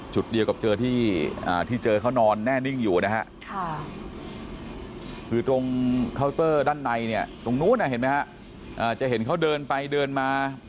จุดเดียวกับเจอที่เจอเขานอนแน่นิ่งอยู่นะฮะคือตรงเคาน์เตอร์ด้านในเนี่ยตรงนู้นเห็นไหมฮะจะเห็นเขาเดินไปเดินมา